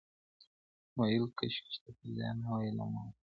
ويل كشكي ته پيدا نه واى له موره